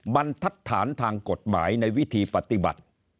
มันทัดฐานทางกฎหมายในวิธีปฏิบัติ